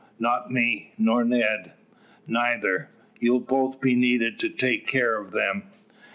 "Not me, nor Ned?" "Neither. You'll both be needed to take care of them."